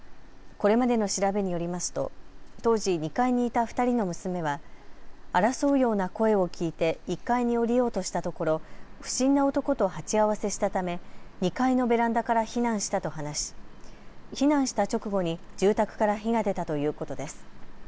これまでの調べによりますと当時、２階にいた２人の娘は争うような声を聞いて１階に下りようとしたところ不審な男と鉢合わせしたため２階のベランダから避難したと話し避難した直後に住宅から火が出たということです。